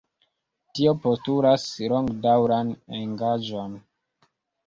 Tio postulas longdaŭran engaĝon.